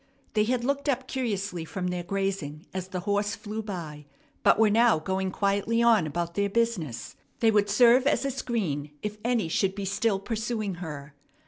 They had looked up curiously from their grazing as the horse flew by, but were now going quietly on about their business. They would serve as a screen if any should be still pursuing her.